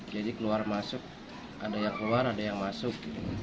keluar masuk ada yang keluar ada yang masuk